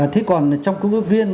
thế còn trong cơ viên